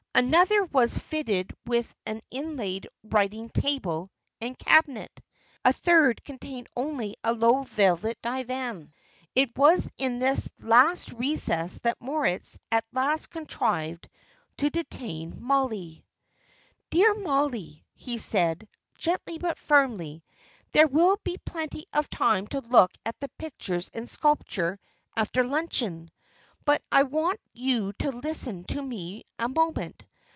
Another was fitted with an inlaid writing table and cabinet. A third contained only a low velvet divan. It was in this last recess that Moritz at last contrived to detain Molly. "Dear Mollie," he said, gently but firmly, "there will be plenty of time to look at the pictures and sculpture after luncheon; but I want you to listen to me a moment.